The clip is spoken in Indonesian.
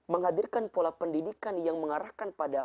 menghadirkan pola pendidikan yang mengarahkan pada